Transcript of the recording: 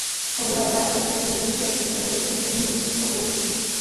Obyvatelé Evropy v průběhu času tato doporučení postupně opouštějí.